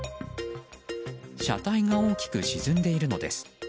車体が大きく沈んでいるのです。